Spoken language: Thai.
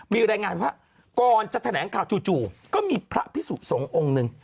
มีรายงานว่าก่อนจะแถลงข่าวจู่ก็มีพระพิสุสงฆ์องค์หนึ่ง